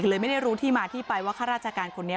เลยไม่ได้รู้ที่มาที่ไปว่าข้าราชการคนนี้